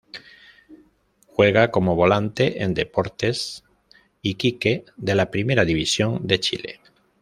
Juega como volante en Deportes Iquique de la Primera División de Chile.